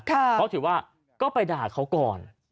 เขาถือว่าก็ไปด่าเขาก่อน